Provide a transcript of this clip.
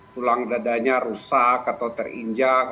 tulang dadanya rusak atau terinjak